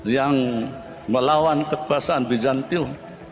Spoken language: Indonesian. yang melawan kekuasaan bijantium